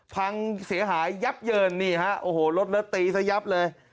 พังเสียหายยับเยินนี่ฮะโอ้โหรถแล้วตีซะยับเลย